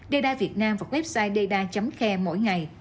didai việt nam và website didai care mỗi ngày